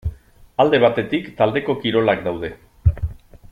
Alde batetik taldeko kirolak daude.